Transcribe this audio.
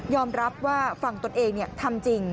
รับว่าฝั่งตนเองทำจริง